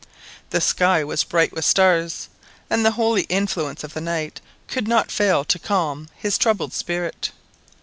The sky was bright with stars, and the holy influence of the night could not fail to calm his troubled spirit.